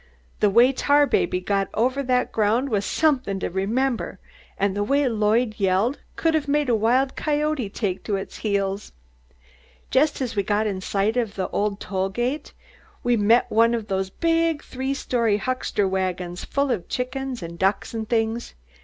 "The way Tarbaby got over the ground was something to remember, and the way Lloyd yelled would have made a wild coyote take to its heels. Just as we got in sight of the toll gate, we met one of those big three story huckster wagons, full of chickens and ducks and things.